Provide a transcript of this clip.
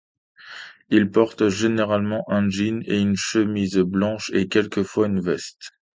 Il porte généralement un jean et une chemise blanche, et quelques-fois une veste.